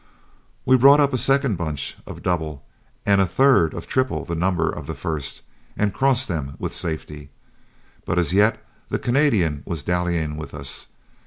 We brought up a second bunch of double, and a third of triple the number of the first, and crossed them with safety, but as yet the Canadian was dallying with us.